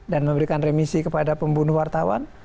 dan memberikan remisi kepada pembunuh wartawan